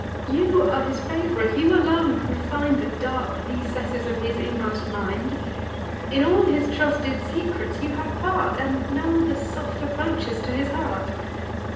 You are his fav'rite; you alone can find The dark recesses of his inmost mind: In all his trusted secrets you have part, And know the soft approaches to his heart.